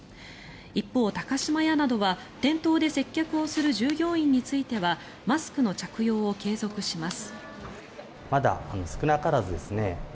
一方、高島屋などは店頭で接客をする従業員についてはマスクの着用を継続します。